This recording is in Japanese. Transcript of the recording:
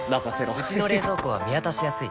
うちの冷蔵庫は見渡しやすい